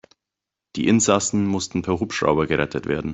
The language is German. Die Insassen mussten per Hubschrauber gerettet werden.